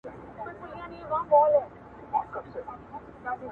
کنې نور هغسې دی